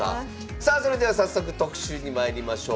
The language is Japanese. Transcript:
さあそれでは早速特集にまいりましょう。